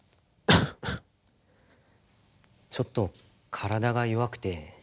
ちょっと体が弱くて。